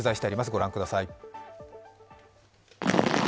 御覧ください。